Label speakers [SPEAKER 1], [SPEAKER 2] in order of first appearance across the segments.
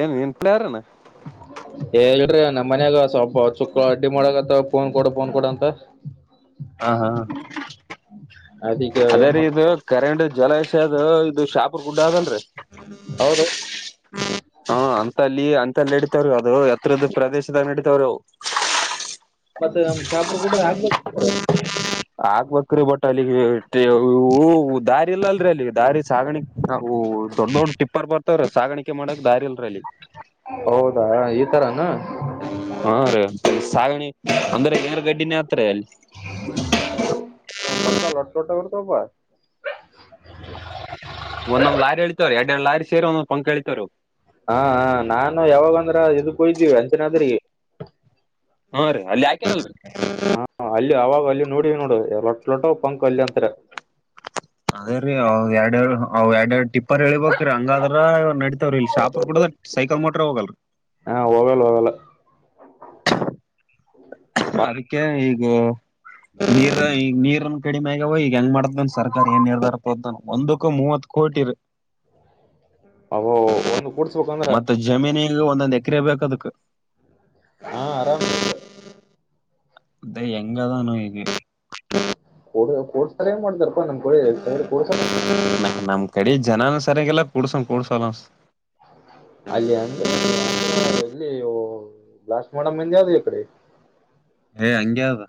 [SPEAKER 1] ಏನ್ ಏನ್ ಪ್ಲೇರನ
[SPEAKER 2] ಅ ನಮ್ಮ ಮನ್ಯಾಗ್ ಸ್ವಲ್ಪ ಚುಕ್ಕ ಅಡ್ಡಿ ಮಾಡತ್ತ ಫೋನ್ ಕೊಡ ಫೋನ್ ಕೊಡ ಅಂತ
[SPEAKER 1] ಹ ಹಾ
[SPEAKER 2] ಅದಕ್ಕೆ
[SPEAKER 1] ಅದೇ
[SPEAKER 2] ಏನ್ ಮಾಡ್
[SPEAKER 1] ರೀದು ಕರೆಂಟು ಜಲ ಮ ಅದು ಇದು ಶಾಪೂರ್ ಗುಡ್ಡ ಅದರಲ್ರಿ
[SPEAKER 2] ಹೌದು
[SPEAKER 1] ಲ್ಲಿ ಅಂತಲ್ಲ ನಡತವ್ರು ಅದು ಎತ್ರರದ ಪ್ರದೇಶದ ನಡತವ್ರು
[SPEAKER 2] ಮತ್ತೆ ನಮ್ ಶಾಪುರ್ ಕೂಡ [inaudible]
[SPEAKER 1] ಆಗ್ಬೇಕ್ರಿ ಬಟ್ ಅಲ್ಲಿ ದಾರಿ ಇಲ್ಲಲ್ರಿ ಅಲ್ಲಿ ದಾರಿ ಸಾಗಾಣಕ್ ಹ ದೊಡ್ ದೊಡ್ ಟಿಪ್ಪರ್ ಬರ್ತವ್ರೆ ಸಾಗಾಣಿಕೆ ಮಾಡಕ್ ದಾರಿಲ್ರ ಅಲ್ಲಿ
[SPEAKER 2] ಹೌದಾ ಈ ತರಾನ
[SPEAKER 1] ಹಾ ರೀ ಸಾಗಣಿ ಅಂದ್ರೆ ಏ ಗಡ್ಡಿನ ಅತ್ರಲ್
[SPEAKER 2] [unintelligible]
[SPEAKER 1] ಒಂದೊಂದ್ ಲಾರಿಳಿತವ್ ಎರಡ್ ಎರಡು ಲಾರಿ ಸರಿ ಒಂದೊಂದ್ ಪಂಕ್ ಎಳಿತವರು
[SPEAKER 2] ಹಾ ಹಾ ನಾನು ಯಾವಾಗಂದ್ರ ಇದಕ್
[SPEAKER 1] ಹಾ ರೀ ಅಲ್ಲಿ ಹಾಕ್ಯಾರಲ್ರಿ
[SPEAKER 2] ಹಾ ಅಲ್ಲಿ ಆವ ಅ ನೋಡಿ ನೋಡು ಲೊಟ್ಟ ಲೊಟ್ಟ ಪಂಕ್ ಅಲ್ಯ ಅಂತರ
[SPEAKER 1] ಅದೇ ರೀ ಅವ್ ಎರಡು ಅವ್ ಎರಡ್ರಡು ಟಿಪ್ಪರ್ ಹೇಳಳ್ಬೇಕ್ರೀ ಹಂಗಾದ್ರ ನಡ ಇಲ್ಲಿ ಶಾಪೂರ್ ಕೂಡ ಸೈಕಲ್ ಮೋಟ್ರ ಹೋಗಲ್ರಿ
[SPEAKER 2] ಹ ಹೋಗಲ್ಲ ಹೋಗಲ್ಲ
[SPEAKER 1] ಅದಕ್ಕೆ ಈಗ ನೀರ ಈ ನೀರನ್ನು ಕಡಿಮ ಮ್ಯಾಗಾವ ಈಗ ಹೆಂಗ ಮಾಡದ್ದನ್ ಸರ್ಕಾರ ಏನ್ ನಿರ್ಧಾರ ಪದನ್ ಒಂದಕ್ಕೂ ಮೂವತ್ ಕೋಟಿ ರರಿ
[SPEAKER 2] ಅವ ಒಂದು ಕೂಡ್ಸ್ಬೇಕಂದ್ರ
[SPEAKER 1] ಮತ್ತೆ ಜಮೀನ ಒಂದೊಂದ ಎ ಎಕರೆ ಬೇಕ ಅದಕ್ಕೆ
[SPEAKER 2] ಹಾ ಆರಾಮ
[SPEAKER 1] ದೇ ಎಂಗ್ ಹೇಳ್ಧನೋ ಗೆ
[SPEAKER 2] ಕ ಕೋಡ್ಸಾರೆಏನ್ ಮಾಡತಾರಪ್ಪ ನಮ್ ಕ ಕಡ್
[SPEAKER 1] ನ ನಮ್ ಕಡೆ ಜನಾನ ಸರಿಯಗೆಲ್ಲ ಕುಡ್ಸಂ ಕೂಡ್ಸಲ್ಲ
[SPEAKER 2] [unintelligible] [unintelligible]
[SPEAKER 1] ಏ ಹಂಗೆ ಅದು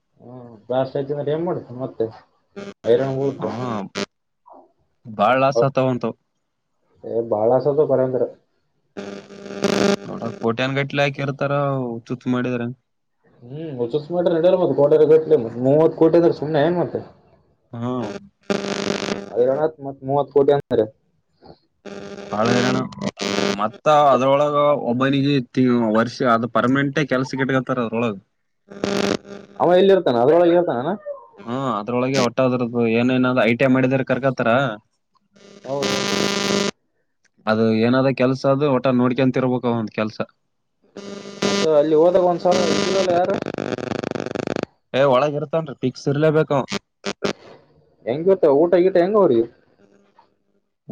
[SPEAKER 2] [unintelligible]
[SPEAKER 1] ಬಾಳ್ ಲಾಸ್ ಆತವ್ ಅಂತ ಅವು
[SPEAKER 2] ಏ ಬಾಳ ಲಾಸ್ ಆದ್ರೂ ಪರ್ವಾಗಿಲ್ಲ [unintelligible]
[SPEAKER 1] ನೋಡ ಕೋಟ್ಯನ್ ಗಟ್ಲೆ ಹಾಕಿ ಇರ್ತಾರ ಚುತ್ತ ಮಾಡಿದ್ರ [unintelligible]
[SPEAKER 2] ಹ್ಮ್ ಹೊಸ ಮಾಡ ಮತ್ತ ಕಡ ಕಟ್ ಮ ಮೂವತ್ ಕೋಟಿ ಅಂದ್ರೆ ಸುಮ್ನೆ ಏನ್ ಮತ್ತೆ.
[SPEAKER 1] ಹಾ
[SPEAKER 2] [unintelligible] ಮತ್ತ್ ಮೂವತ್ ಕೋಟಿ ಅಂದಾರೆ.
[SPEAKER 1] ಬಾಳ [unintelligible] ಮತ್ತ ಅದ್ರೊಳಗ ಒಬ್ಬನಿಗೆ [unintelligible] ವರ್ಷ ಅದು ಪರ್ಮ [unintelligible] ಮಟ್ಟೆ [unintelligible] ಕೆಲ್ಸಕಿಟ್ಕತ್ತರೆ ಅದ್ರೊಳಗ.
[SPEAKER 2] [unintelligible]
[SPEAKER 1] ಹ್ಮ ಅದ್ರೊಳಗೆ ಒಟ್ಟದ್ರದ್ದು [unintelligible] ಏನ ಏನಾದ್ ಐಟಂ [unintelligible] ಮಾಡಿದ್ರ ಕರ್ಕತಾರ.
[SPEAKER 2] [inaudible]
[SPEAKER 1] ಅದು ಏನಾದ ಕೆಲ್ಸ ಅದು ಒಟ [unintelligible] ನೋಡ್ಕಂತರ್ಬೇಕ ಒಂದ ಕೆಲ್ಸ
[SPEAKER 2] ಅಲ್ಲಿ ಹೋದಾಗ ಒಂದ್ಸಲ ಯಾರು [unintelligible]
[SPEAKER 1] ಏ ಒಳಗ ಇರ್ತನ್ರಿ [unintelligible] ಪಿಕ್ಸ್ ಇರ್ಲೇಬೇಕು
[SPEAKER 2] ಹೆಂಗಿರ್ತ
[SPEAKER 1] [unintelligible]
[SPEAKER 2] [unintelligible]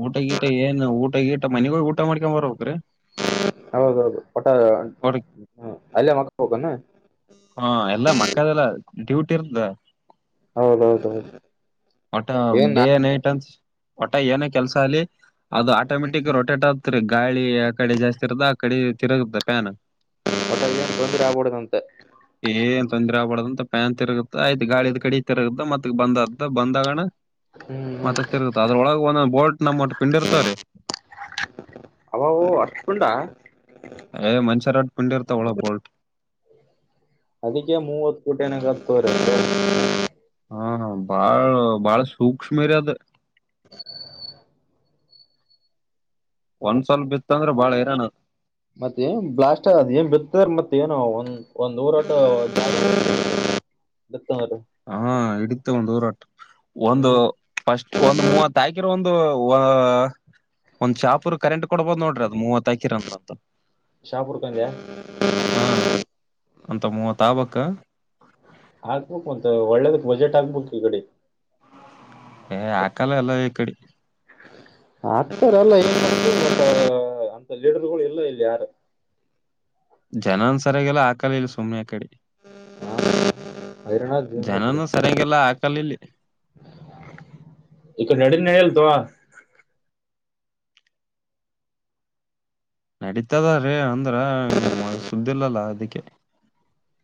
[SPEAKER 1] ಊಟ ಗೀಟ ಏನ್ ಊಟ ಗೀಟ ಮನೆಗೋಗ ಊಟ ಮಾಡ್ಕೊಂಡ. [unintelligible]
[SPEAKER 2] ಹೌದೌದು [unintelligible]
[SPEAKER 1] ಹಾ ಎಲ್ಲಾ [unintelligible] ಡ್ಯೂಟಿ ಇರ್ದ
[SPEAKER 2] ಹೌದೌದೌ [unintelligible]
[SPEAKER 1] ಒಟ್ಟ ಡೇ ನೈಟ್ [unintelligible] ಅಂತ ಒಟ್ಟ ಏನೋ ಕೆಲ್ಸ ಅಲ್ಲಿ ಅದು ಆಟೋಮೆಟಿಕ್ ರೊಟೆಟ್ ಆತ್ರಿ ಗಾಳಿ ಆ ಕಡೆ ಜಾಸ್ತಿ ಇರತ್ತ ಆ ಕಡೆ ತಿರುಗತ್ತ
[SPEAKER 2] ಒಟ ಏನ್ ತೊಂದ್ರೆ ಆಗ್ಬಿಡದಂತೆ
[SPEAKER 1] [unintelligible] ಪ್ಯಾನ್ [unintelligible] ಪ್ಯಾನ್ ತಿರುಗತ್ತ ಆಯ್ತ ಗಾಳಿದ [unintelligible] ಕಡಿ ತಿರುಗತ್ತ ಮತ್ತ ಬಂದದ್ದ ಬಂದಗಣ
[SPEAKER 2] ಹ್ಮ್ ಹ್ಮ್
[SPEAKER 1] [unintelligible] [unintelligible] ಅದ್ರೊಳಗೆ ಒಂದೊ ಬೋಲ್ಟ್ ನಮ್ಮ ಒಟ್ಟ [unintelligible] ಪಿಂಡಿ ಇರ್ತಾರೆ.
[SPEAKER 2] [unintelligible]
[SPEAKER 1] ಮನ್ಚರಾಟ್ [unintelligible] ಪಿಂಡೀರ್ತ ಒಳ ಬೋಲ್ಟ್
[SPEAKER 2] ಅದಕ್ಕೆ ಮೂವತ್ ಕೋಟಿನತ್ರ [unintelligible]
[SPEAKER 1] ಹಾ ಬಾಳ್ ಬಾಳ [unintelligible] ಸೂಕ್ಷ್ಮರ ಅದು. ಒಂದ್ಸಲ ಬಿತ್ತಂದ್ರೆ ಬಾಳ [unintelligible]
[SPEAKER 2] ಮತ್ತೆ ನ್ ಬ್ಲಾಸ್ಟ್ ಅಗದ್ ಏನ್ ಬಿತದ [unintelligible] ಮತ್ತೆ ಏನು ಒಂದ ಒಂದ್ ಊರಾಟ [unintelligible] [unintelligible]
[SPEAKER 1] ಹಾ ಹಿಡಿತ ಒಂದ ಊರಾಟ [unintelligible] ಒಂದು
[SPEAKER 2] ಹ್ಮ್
[SPEAKER 1] ಫಸ್ಟ್ ಒಂದು ಮೂವತ್ ಹಾಕಿರ್ [unintelligible] [unintelligible] ಒಂದ್ ಚಾಪರ್ ಕರೆಂಟ್ [unintelligible] ನೋಡ್ರಿ ಅದು ಮೂವತ್ [unintelligible] [unintelligible]
[SPEAKER 2] ಶಾಪುರ್ಕಂದೆ
[SPEAKER 1] ಹಾ ಅಂತ ಮೂವತ್ [unintelligible]
[SPEAKER 2] ಆಕ್ಬೇಕು [unintelligible] ಒಳ್ಳೇದಕ್ ಬಜೆಟ್ ಆಗ್ಬೇಕು ಈ ಕಡೆ.
[SPEAKER 1] ಏ ಹಾಕಲ್ಲ ಎಲ್ಲ ಈ ಕಡೆ.
[SPEAKER 2] ಆಕ್ತಾರಲ್ಲ [unintelligible] ಲೀಡರ್ಗಳು ಎಲ್ಲ ಇಲ್ಲಿ ಯಾರು.
[SPEAKER 1] ಜನನು ಸರಿಯಾಗಿಲ್ಲ [unintelligible] ಇಲ್ಲ ಸುಮ್ಮ್ನೆ ಆ ಕಡೆ.
[SPEAKER 2] ಹೈರಾಣ ಜೀವನ ಕಡೆ
[SPEAKER 1] ಜನನು ಸರಿಯಗೆಲ್ಲ ಹಾಕಲಲ್ಲಿ.
[SPEAKER 2] [unintelligible]
[SPEAKER 1] ನಡೀತದ ರೀ ಅಂದ್ರ [unintelligible] ಸುದ್ದಿಲ್ಲಲ್ಲ ಅದಕ್ಕೆ.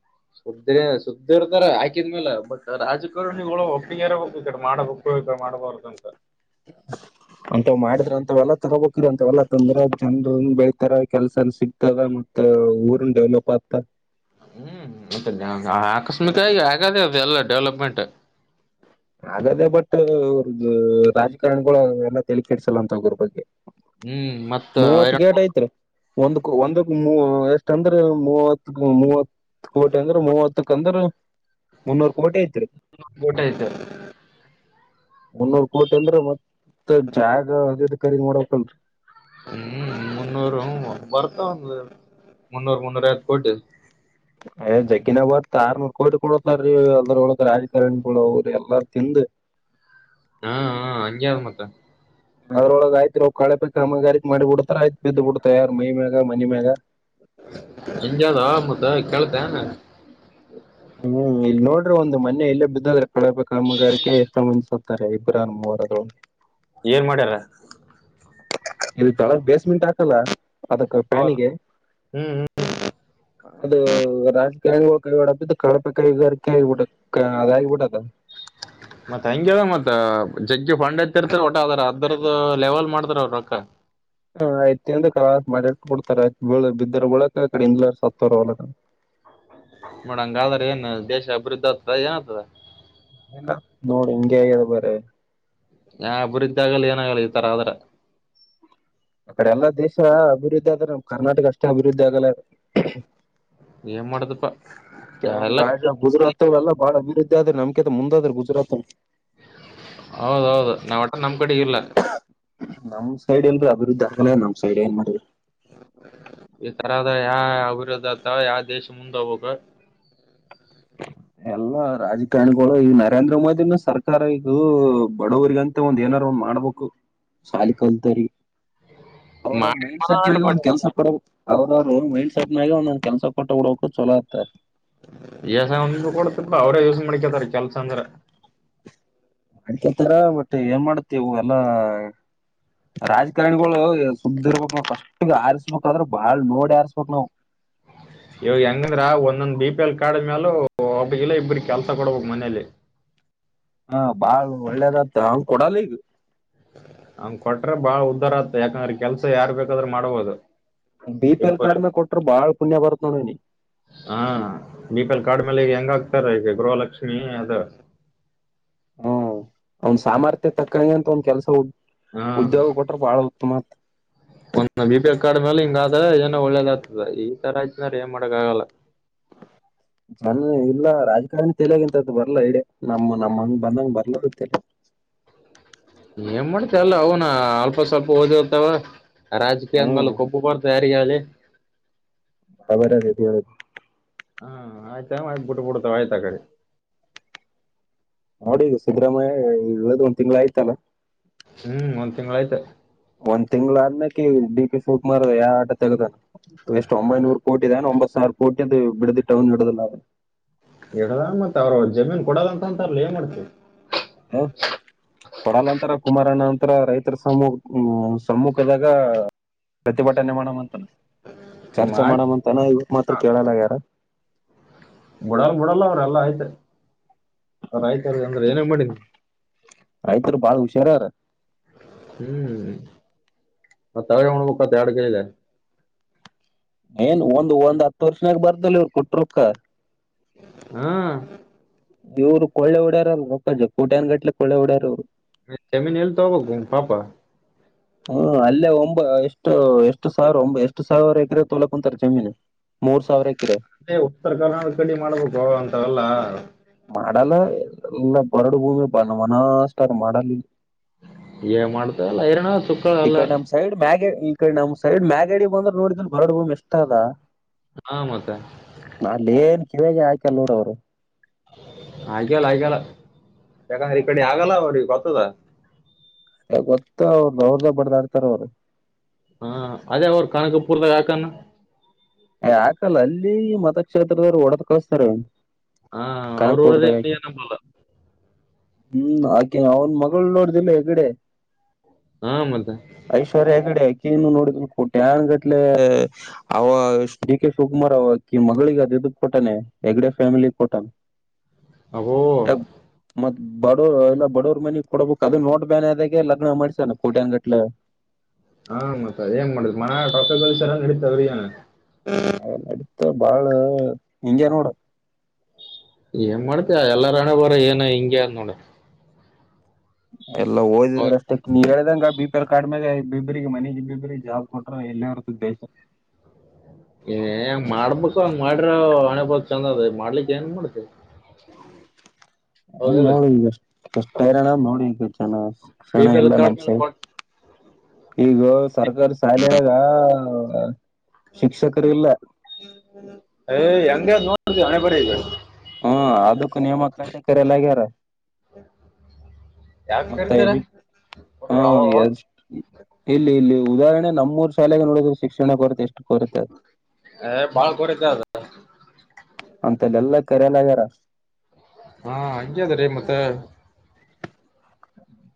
[SPEAKER 2] [unintelligible] ಸುದ್ದಿ ಇರ್ತಾರ ಆಕಿದ್ಮೇಲ ಬಟ್ ರಾಜಕಾರಣಿಗಳು ಒಟ್ಟಿಗಿರಬೇಕು ಈ ಕಡೆ ಮಾಡ [unintelligible] [unintelligible] ಮಾಡಬಾರದು ಅಂತ
[SPEAKER 1] ಅಂತವ್ ಮಾಡಿದ್ರ ಅಂತವ ಎಲ್ಲ ತಗೋಕಿದ್ರ [unintelligible] ಅಂತ ಎಲ್ಲಾ ತಂದ್ರ ಜನನ್ರು ಬೆಳತಾರ ಕೆಲ್ಸನ್ ಸಿಗ್ತವ [unintelligible] ಊರನ್ ಡೆವಲಪ್ ಆಗ್ತ
[SPEAKER 2] ಹ್ಮ್ ಮತ್ತೆ ಆಕಸ್ಮಿಕ ಆಗ ಆಗಾದೇ ಅದೆ ಎಲ್ಲ ಡೆವಲಪ್ಮೆಂಟ್
[SPEAKER 1] ಹಾಗದೆೇ ಬಟ್ ಅವ್ರದ ರಾಜಕಾರಣಗಳಗಳು ಎಲ್ಲ ತಿಲಕಿ ಇಡ್ಸಲ್ಲ ಅಂತೋಗೋ್ರ ಬಗ್ಗೆ
[SPEAKER 2] ಹ್ಮ್ ಮತ್ತ
[SPEAKER 1] ಮೂವತ್
[SPEAKER 2] ಐರನ್
[SPEAKER 1] ಗೇಟ್ ಐತ್ರಿ ಒಂದಕ್ಕ ಒಂದಕ್ ಎಷ್ಟ ಅಂದ್ರೆ ಮೂವತ್ ಮೂವ ಕೋಟೆ ಅಂದ್ರೆ ಮೂವತ್ತಕ್ಂದ್ರ ಮುನ್ನೂರು
[SPEAKER 2] ಊಟ ಆಯ್ತ
[SPEAKER 1] ಒನ್ನೂರು ಕೋಟಿ ಅಂದ್ರ ಮತ್ತ ಜಾಗ ಹದದು ಖರೀದಿ ಮಾಡಕ್ಲ್ರರಿ
[SPEAKER 2] ಹ್ಮ್ ಮುನ್ನೂರು ವರ್ತ ಒಂದು ಮುನ್ನೂರು ಮುನ್ನೂರತ್ ಕೊಟ್ಟ
[SPEAKER 1] ಯ ಜಕ್ಕಿನ ಅವತ್ ಆರ್ನೂರ್ ಕೋಟಿ ಕೊಡತ್ತಾರೀ ಎಲ್ಲರ ಒಳ ರಾಜಕಾರಣಿ ಕಡ ಅವ್ರಿ ಎಲ್ಲಾರ ತಿಂದ [unintelligible] [inaudible]
[SPEAKER 2] ಹಾ ಹಾ ಹಂಗ ಆನ್ ಮತ್ತ
[SPEAKER 1] ಅವದ್ರೊಳಗ ಆಯ್ತ್್ ಕಾೆ ಬ ಕಾಮಗಾರಿತ್ ಮಾಡಿ ಬಿಡ್ತಾರ ಆಯ್ತ ಬಿದ್ದ್ ಬಿಡ್ತ ಯಾರ ಮೈ ಮ್ಯಾಗ ಮನೆ ಮ್ಯಾಗ
[SPEAKER 2] ಎಂಜಾದಾ ಮದ ಕೇಳ್ತನೆ
[SPEAKER 1] ಹ್ಮ್ ಇಲ್ಲಿ ನೋಡ್ರಿ ಒಂದು ಮನೆ ಇಲ್ಲೇ ಬಿದ್ದಾದ್ರೆ ಕಡಪೆ ಕಾಮಗಾರಿಕ ಎಷ್ಟೋ ಮಂದ ಸತಾರೆ ಇಬ್ರಾನ್ ರ [inaudible]
[SPEAKER 2] ಏನ್ ಮಾಡ್ಯಾರ
[SPEAKER 1] ಇಲ್ಲಿ ಕಳರ್ ಬೇಸ್ಮೆಂಟ್ ಹಾಕಲ್ಲ ಅದಕ್ಕ
[SPEAKER 2] ಹೌದ
[SPEAKER 1] ಪ್ಯಾನಿಗೆ
[SPEAKER 2] ಹ್ಮ್
[SPEAKER 1] ಅದು ರಾಜಕಿ ಕೈ ಡತ ಕಳಪೆ ಕೈಗಾರಿಕೆ ಆಗಿಬಿಟ್ಟ ಅದ ಆಗಿಬಿಟ್ಟದ ಹ
[SPEAKER 2] ಮತ್ ಹಂಗಗೆದ ಮತ್ತತ್ ಜಗ್ಗಿ ಫಂಡ್ ಎತ್ತಿರ್ತಾರ ಒಟ ಅದಾರ ಅದರದ ಲೆವೆಲ್ ಮಾಡ್ತಾರ ಅವ ರೊಕ್ಕ
[SPEAKER 1] ಹ ಆಯ್ತಿ ಅಂದ್ರ ಕ್ರಾಸ್ ಮಾಡಿ ಕೊಡ್ತಾರೆಳ ಬಿದ್ದರ ಬಳಕ ಆ ಕಡೆಿಂದ್ಲ ಸತ್ತವರ್ ಅವಲ [inaudible]
[SPEAKER 2] ನೋಡಂಗಾದ್ರೆ ಏನ್ ದೇಶ ಅಭಿವೃದ್ಧಿ ಆಗ್ತದ ಏನ್ ಆತದ
[SPEAKER 1] ನೋಡಿ ಇಂಗ ಅ ಬರ
[SPEAKER 2] ಯಾ ಅಭಿವೃದ್ಧಿ ಆಗಲಿ ಏನ ಆಾಗಲಿ ಈ ತರ ಆದದ್ರ
[SPEAKER 1] ಅಕಡೆ ಎಲ್ಲಾ ದೇಶ ಅಭಿವೃದ್ಧಿ ಆದ್ರ ನಮ ಕರ್ನಾಟಕ ಅಷ್ಟೇ ಅಭಿವೃದ್ಧಿ ಆಗಲ್ಲ
[SPEAKER 2] ಏನ್ ಮಾಡೋದಪ್ಪ
[SPEAKER 1] ಕೆಲವೊಂದ್ ರಾಜ ಗುಜರಾತ್ಲ್ಲ ಬಾಳ ಅಭಿವೃದ್ಧಿ ಆದ್ರೆ ನಮ್ಕತ ಮುಂದಾದ್ರ ಗುಜರಾತ್
[SPEAKER 2] ಹೌದೌದು ನಾವುಟ ನಮ್ ಕಡೆ ಇಲ್ಲ.
[SPEAKER 1] ನಮ್ ಸೈಡ್ ಎಲ್ರೂ ಅಭಿವೃದ್ಧಿ ಆಗಲ್ಲ ನಮ್ ಸೈಡ್ ಏನ್ ಮಾಡ್ರಿ
[SPEAKER 2] ಈ ತರದ ಯಾವ ಅಭಿರುದ್ಧಿ ಆತ್ತ ಯಾವ ದೇಶ ಮುಂದೆ ಹೋಗಬಬೇಕ
[SPEAKER 1] ಹ ಎಲ್ಲಾ ರಾಜಕಾರಣಿಗಳು ಈಗ ನರೇಂದ್ರ ಮೋದಿನ ಸರ್ಕಾರ ಈಗ ಬಡವರಿಗಂತ ಒಂದ್ ಏನಾರ ಮಾಡ್ಬೇಕು ಶಾಲಿ ಕಲ್ತರಿ ಅವ್ರವ್ರ
[SPEAKER 2] ಮಾಡಿ
[SPEAKER 1] ಮೈಂಡ್ ಸೆಟ್ಗ
[SPEAKER 2] ಮಾಡ
[SPEAKER 1] ಒಂದ
[SPEAKER 2] ಮಾಡ
[SPEAKER 1] ಕೆಲಸ ಕೊಡ ಅವ್ರವರು ಮೈಂಡ್ ಸೆಟ್ನಗ ಒಂದೊಂದ ಕೆಲಸ ಕೊಟ್ಟ ಹಡು
[SPEAKER 2] ಯ ಸ ಕೊಡ ಬಾವಡ ದಿವಸ [unintelligible] ಮಡಿಕದಾರ ಕೆಲ್ಸ ಅಂದ್ರ [unintelligible]
[SPEAKER 1] ಮಾಡಡ್ಕೊತಾರ ಬಟ್ ಏನ್ ಮಾಡತಿ ಇ ವು ಎಲ್ಲಾ ರಾಜಕಾರಣಿಗಳು ಸುದ್ದ ಇರ್ಬೇಕಕ್ ನ ಕಷ್ಟ ಆರ್ಸಬೇದ್ರಾ ಬಾಳ್ ನೋಡಿ ಆರ್ಬಕ್ ನಾವವು
[SPEAKER 2] ಇವಾಗ ಹೆಂಗಂದ್ರ ಒಂದೊಂದ್ ಬಿ ಪಿ ಎಲ್ ಕಾರ್ಡ್ ಮ್ಯಾಲ ಲ್ಲ ಇಬ್ಬ್ರ ಕೆಲ್ಸ ಕೊಡ್ಬೇಕಕ್ ಮನೇಲಿ [unintelligible]
[SPEAKER 1] ಹಾ ಬಾಳ್ ಒಳ್ಳೇದತ್ ಅವ ಕೊಡಲ್ಲ ಈಗ
[SPEAKER 2] ಅವಂಗ್ ಕೊಟ್ರೆ ಬಾಳ ಉದ್ದಾರ ಆತ್ತ ಯಾಕಂದ್ರೆ ಕೆಲ್ಸ ಯಾರು ಬೇಕಾದ್ರೂ ಮಾಡಬಹದು
[SPEAKER 1] ಬೀಪಲ್ ಕಾಡಿನ ಕೊಟ್ಟರು ಬಾಳ್ ಪುಣ್ಯ ಬರತದ ಇನಿ
[SPEAKER 2] ಬಿಪಲ್ ಕಾಡ್ಮೇಲೆ ಈ ಹೆಂಗ ಆಕ್ತಾರ ಈಗ ಗೃಹಲಕ್ಷ್ಮಿ ಅದ
[SPEAKER 1] ಹ್ಮ ಅವನ್ ಸಾಮರ್ಥ್ಯ ತಕ್ಕಂಗೆ ಅಂತ ಒಂದ ಕೆಲ್ಸ ಹ ಉದ್ಯೋಗ ಕೊಟ್ರ ಬಾಳ ಉತ್ತಮ
[SPEAKER 2] ಒಂದ ಬಿ ಪಿ ಎಲ್ ಕಾಡ ಮೇಲೆ ಹಿಂಗ ಆದ ಏನ ಒಳ್ಳೇದ ಆಗ್ತದ ಈ ತರ ಆಯ್ನ್ರೆ ಏನ್ ಮಾಡಕ್ ಆಗಲ್ಲ
[SPEAKER 1] ನನ್ ಇಲ್ಲ ರಾಜಕಾರಣಿ ತೆಲಿಯಗೆ ಎಂತದ್ದು ಬರಲ್ಲಾ ಇಡ ನಮ್ಮ ನಮ್ಮ ಹಂಗ ಬಂದಂಗ ಬರ್ಲದತ್ತಲ್ಲ
[SPEAKER 2] ಏನ್ ಮಾಡ್ತ ಅಲ್ಲ ಅವನ ಅಲ್ಪ ಸ್ವಲ್ಪ ಓದಿಗ್ತಾವ ರಾಜಕೀಯ
[SPEAKER 1] ಹ್ಮ್
[SPEAKER 2] ಮಲ್ಲ ಕಬ್ಬು ಪಡ್ತ ಯಾರ ಆಲ
[SPEAKER 1] ಹ ಬರ ರತಿವದು
[SPEAKER 2] ಬಿಟ್ಟುಬಡ್ತ ವಾಯತಕಾರಿ
[SPEAKER 1] ನೋಡಿಗ ಸಿದ್ದರಾಮಯ್ಯ ಹೇಳ್ದ್ ಒಂದ್ ತಿಂಗ್ಳ ಆಯ್ತಲ್ಲ
[SPEAKER 2] ಹ್ಮ್ ಒಂದ್ ತಿಂಗಳ ಆಯ್ತ
[SPEAKER 1] ಒಂದ್ ತಿಂಗಳ ಅದ ಡಿ ಕೆ ಶಿವಕುಮಾರ್ ಯಾವ ಆಟ ತೆಗದಾನ ಎಷ್ಟು ಒಂಬೈನೂರು ಕೋಟಿ ನ ಒಂಬತ್ತು ಸಾವೀರ ಕೊಟಿ ಅಂತ ಬಿಡುದಟ್ಟ ಇಡದಿಲ್ಲ
[SPEAKER 2] ಹೇಳದ ಮತ್ತ ಅವ್ರ ಜಮೀನ್ ಕೊಡಲ್ಲ ಅಂತ ಅಂತಾರಲ ಏನ್ ಮಾಡ್ತೀವಿ
[SPEAKER 1] ಹ ಕೊಡಾಲ ಅಂತರ ಕುಮಾರಣ್ಣ ಅ ತ್ರ ರೈತರ ಸು ಸಮ್ಮುಖದಾಗ ಪ್ರತಿಭಟನೆ ನಿರ್ಮಾಣ ಅಂತಾನ ಚರ್ಚೆ
[SPEAKER 2] ಮಾಡಿ
[SPEAKER 1] ಮಾಡಮ ಅಂತಾನ ಇವಾಗ ಮಾತ್ರ ಕೇಳಲ್ಲ ಯಾರ
[SPEAKER 2] ಬಿಡಲ್ ಬಿಡಲ್ಲ ಅವ್ರೆಲ್ಲ ಆಯ್ತೆ ಅವ ಆಯ್ತಾರ ಅಂದ್ರೆ ಏನಂಗ ಮಾಡಿನಿ
[SPEAKER 1] ರೈತರು ಬಾಳ ಹುಷಾರಾರ
[SPEAKER 2] ಹ್ಮ್ ಹ ತಾವ ಬಕ್ಕ ತಡಗೆಲ್ಲ
[SPEAKER 1] ಏನ್ ಒಂದ್ ಒಂದ್ ಹತ್ತು ವರ್ಷನಾಗ ಬರ್ದಲ್ ಇವರು ಕುಟರುಕ್ಕ
[SPEAKER 2] ಹ್ಮ
[SPEAKER 1] ಇವ್ರು ಕೊಳ್ಳೆ ಡ್ಯಾರಲ್ಲಪ್ಪಜ ಕೋಟ್ಯನ್ ಗಟ್ಟಲೆ ಕ ಕೊಳ್ಳೆ ಡ್ಯಾರ್ರು
[SPEAKER 2] ಜಮೀನ್ ಎಲ್ತ ತೊಗ ಪಾಪಾ
[SPEAKER 1] ಹ್ಮ ಅಲ್ಲೇ ಒಂಬ ಎಷ್ಟು ಎಷ್ಟು ಸಾವಿರ ಒ ಎಷ್ಟು ಸಾವಿರ ಎಕರೆ ತೋಲಕ ಕುಂತಾರೆ ಜಮೀನು ಮೂರ್ ಸಾವಿರ ಎಕರೆ
[SPEAKER 2] ಅದೇ ಉತ್ತರ ಕರ್ನಾಡಕ ಕಡಿ ಮಾಡ್ಬೇಕು ಅಂತವಲ್ಲ
[SPEAKER 1] ಮಾಡಲ್ಲ ಎಲ್ಲ ಬರಡು ಭೂಮಿಪ ನ ಮನಾಸ್ರ್ ಮಾಡಲ್ಲ
[SPEAKER 2] ಏ ಮಾಡ್ತಲ್ಲ ರನ ಸುಕ್ಕ
[SPEAKER 1] ಈ
[SPEAKER 2] ಎಲ್ಲ
[SPEAKER 1] ಕಡೆ ನಮ್ ಸೈಡ್ ಮ್ಯಾಗೆ ಈ ಕಡೆ ನಮ್ ಸೈಡ್ ಮ್ಯಾಗಾಡಿ ಬಂದ್ರೆ ನೋಡಿದ್ರ ಬರಡ್ ಭೂಮಿ ಇಷ್ಟ ಅದ
[SPEAKER 2] ಹಾ ಮತ್ತ
[SPEAKER 1] ಶಿವಗೆ ಆಯಕಲ್ಲ ನೋಡವರು
[SPEAKER 2] ಹಾಗಗ್ಯಲ್ಲ ಆ್ಯಲ್ಲ ಯಾಕಂದ್ರೆ ಈ ಕಡೆ ಆಗಲ್ಲ ಅವ್ರಿಗೆ ಗೊತ್ತದ
[SPEAKER 1] ಗೊತ್ತ ಅವರು ಅವ್ರದ ಬಡದ ಆಡ್ತಾರ ಅವರು
[SPEAKER 2] ಹಾ ಅದೇ ಅವ ಕಣಕ ಪೂರ್ತ ಕಕನ್ನು
[SPEAKER 1] ಯಾಕಲ್ಲ ಅಲ್ಲಿ ಮತಕ್ಷೇತ್ರದವರು ಒಡೆಡದ ಕಳಸ್ತಾರ
[SPEAKER 2] ಹಾ ಅವ್ರ ಊರದೇ
[SPEAKER 1] ಕನಕ್ಪುರ್ದಾಗ ಹಾಕಿ
[SPEAKER 2] ಅವನಿಯ ನಂಬಾಲ
[SPEAKER 1] ಹ್ಮ್ ಆಕೆ ಅವ್ನ್ ಮಗಳು ನೋಡ್ದಿಲ್ಲ ಹೆಗಡೆ
[SPEAKER 2] ಹಾ ಮತ್ತೆ
[SPEAKER 1] ಐಶ್ವರ ಎಗಡೆ ಏನು ನೋಡಿದ ಕಟ್ಯಾನ್ ಗಟ್ಲೆ ಅವ ಡಿ ಕೆ ಶಿವಕುಮಾರ್ ಅವಕಿ ಮಗಳಿಗೆ ಅದುದಕ್ ಕೊಟಾನೆ ಹೆಗ್ಗಡೆ ಫ್ಯಾಮಿಲಿಗ್ ಕೊಟಾನ
[SPEAKER 2] ಅಬೋ
[SPEAKER 1] ಬಡವ ಎಲ್ಲ ಬಡವ್ರ ಮನೆಗ್ ಕೊಡಡ್ಬೇಕುಕ್ ಅದನ್ನ ನೋಡ್ ಬೇನದಾಗೆ ಲಗ್ನ ಮಾಡಸಣ ಕೋಟಿ ಅನ್ ಗಟ್ಲೆ [unintelligible]
[SPEAKER 2] ಹಾ ಮತ್ತ ಏನ್ ಮಾಡುದುಮನರ ರೋಕ ಕಲ್ಸ ಎಲ್ಲ ನಡತವ್ರೀ
[SPEAKER 1] ಆ ನಡತ ಬಾಳ ಹಿಂಗೆ ನೋಡ
[SPEAKER 2] ಏನ್ ಮಾಡ್ತ ಎಲ್ಲಾರಣ ಬ್ರ ಏನ್ ಹಿಂಗೆ ಅ ನೋಡ
[SPEAKER 1] ಎಲ್ಲ
[SPEAKER 2] ಅವ್ರ
[SPEAKER 1] ಓದಿದ್ರಷ್ಟ ನೀ ಇದಂಗ ಬಿ ಪರ್ ಕಾಡ್ಗ ಬಿಬ್ರಿಗೆ ಮನೆ ಬಿಬ್ರಿಗೆ ಜಾಬ್ ಕೊಟ್ರ ಎಲ್ಲೇ ಹೊರ್ತ ಬೇಸ
[SPEAKER 2] ಏ ಹೆಂಗ್ ಮಾಡ್ಬೇಕು ಹಂಗ್ ಮಾಡಿರ ಅಣೆಬ ಚಂದ ಅದ ಮಾಡ್ಲಿಕ್ಕೆ ಏನ್ ಮಾಡ್ತಿವಿ
[SPEAKER 1] ಹ್ಮ ಅ ನೋಡಿ ಈಗಷ್ಟ ಕಷ್ಟ ಇರಣ ನೋಡಿ ಈಗ ಜನ
[SPEAKER 2] ಬಿ
[SPEAKER 1] ಕ್ಷಣ
[SPEAKER 2] ಪಿ ಎಲ್
[SPEAKER 1] ಇಲ್ಲ
[SPEAKER 2] ಕಾರ್ಡ್
[SPEAKER 1] ನಬ್
[SPEAKER 2] ಮೇಲೆ
[SPEAKER 1] ಸೈ
[SPEAKER 2] ಕೊಟ್
[SPEAKER 1] ಈಗ ಸರ್ಕಾರಿ ಶಾಲೆೆಯಾಗ ಶಿಕ್ಷಕರು ಇಲ್ಲ
[SPEAKER 2] ಏ್ ಹೆಂಗಗೆ ನೋಡ್ ಹಣೆ ಬರ
[SPEAKER 1] ಹ್ಮ ಅದಕ್ಕೂ ನಿಯಮ ಕಟ ಕಿಯಲ್ಲಗ್ಯಾರ
[SPEAKER 2] ಯಾಕ
[SPEAKER 1] ಮತ್ತ
[SPEAKER 2] ಕರಿತಾರ
[SPEAKER 1] [unintelligible] ಉದಾಹರಣೆ ನಮ್ಮೂರುಾಲೆಗೆ ನೋಡಿದ್ರೆ ಶಿಕ್ಷಣ ಕೊರತೆ ಎಷ್ಟು ಕೊರತೆ
[SPEAKER 2] ಅ ಬಾಳ್ ಕರಿತ ಅದ
[SPEAKER 1] ಅಂತೆಲ್ಲ ಎಲ್ಲಾ ಕರೆಲಾಗೆ ರಾ
[SPEAKER 2] ಹಾ ಹಂಗೆ ಅದ ರೀ ಮತ್ತ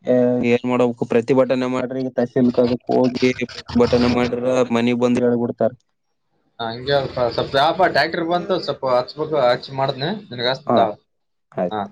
[SPEAKER 1] ಹ ಏನ್ ಮಾಡ ಪ್ರತಿಭಟನೆ ಮಾಡ್ರಿ ಈಗ ತಸಲ್ ಕದಕ್ ಹೋಗಿ ಪ್ರತಿಭಟನೆ ಮಾಡ್ರ ಮನಿ ಬಂದ ಬಿಡ್ತಾರೆ
[SPEAKER 2] ಹಂಗೆ ಅಲ್ಪ ಸ್ವಪ ಯಾಪಾ ಟ್ಯಾಕ್ಟರ್ ಬಂತು ಸ್ವಲ್ಪ ಹಚ್ಬೇಕು ಹಚ್ಮಾಡ್ನನೆ ಆಮೇಲೆ
[SPEAKER 1] ಹ
[SPEAKER 2] ಹಚ್ಚಿನ್
[SPEAKER 1] ಆಯ್ತು
[SPEAKER 2] ತಾಳು